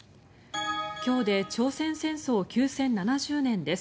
今日で朝鮮戦争休戦７０年です。